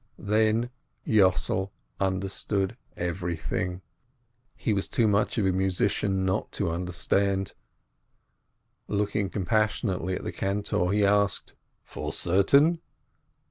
Then Yossel understood everything — he was too much of a musician not to understand. Looking com passionately at the cantor, he asked : "For certain?"